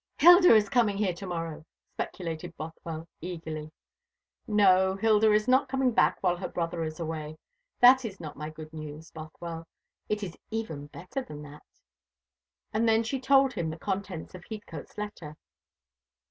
"Hilda is coming here to morrow," speculated Bothwell eagerly. "No. Hilda is not coming back while her brother is away. That is not my good news, Bothwell. It is even better than that." And then she told him the contents of Heathcote's letter.